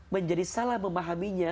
menjadi salah memahaminya